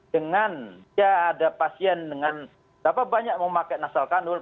dengan ya ada pasien dengan berapa banyak memakai nasal kanul